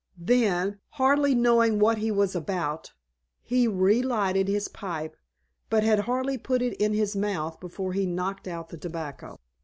Then, hardly knowing what he was about, he relighted his pipe, but had hardly put it in his mouth before he knocked out the tobacco.